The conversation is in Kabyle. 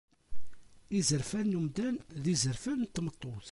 Izerfan n umdan d yizerfan n tmeṭṭut.